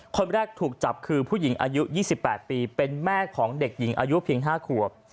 คนแรกถูกจับคือผู้หญิงอายุ๒๘ปีเป็นแม่ของเด็กหญิงอายุเพียง๕ขวบ